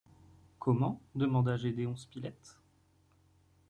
Comment? demanda Gédéon Spilett.